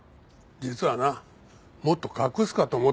実はなもっと隠すかと思ったんだよ。